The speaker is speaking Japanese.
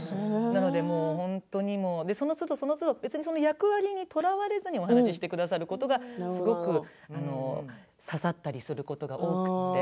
だから本当にそのつどそのつど役割にとらわれずにお話してくださることがすごく刺さったりすることが多くて。